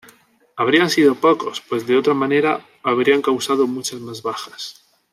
Habrían sido pocos pues de otra manera habrían causado muchas más bajas.